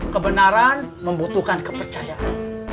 kebenaran membutuhkan kepercayaan